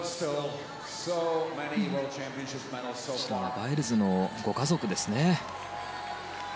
バイルズのご家族ですね。